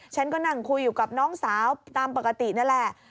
ฉันก็นั่งคุยอยู่กับน้องสาวตามปกตินั่นแหละ